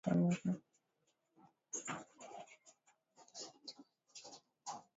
kampeni mbalimbali kama Maleria na hata katika uchaguzi uliopita mmeona jinsi wasanii walivyokuwa wakitumika